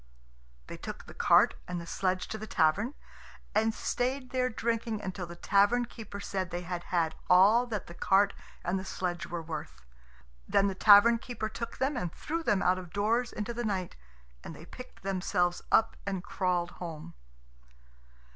They took the cart and the sledge to the tavern, and stayed there drinking until the tavern keeper said they had had all that the cart and the sledge were worth. Then the tavern keeper took them and threw them out of doors into the night, and they picked themselves up and crawled home.